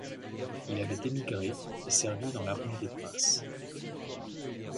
Il avait émigré et servit dans l'Armée des princes.